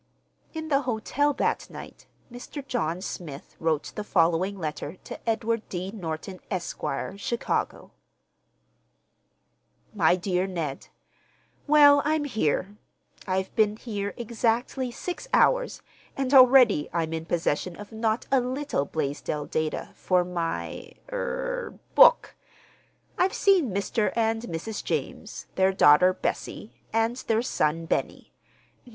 In the hotel that night, Mr. John Smith wrote the following letter to Edward D. Norton, Esq., Chicago: MY DEAR NED,—Well, I'm here. I've been here exactly six hours, and already I'm in possession of not a little Blaisdell data for my—er—book. I've seen Mr. and Mrs. James, their daughter, Bessie, and their son, Benny.